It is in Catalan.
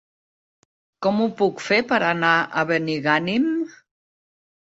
Com ho puc fer per anar a Benigànim?